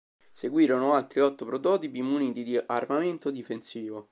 Seguirono altri otto prototipi muniti di armamento difensivo.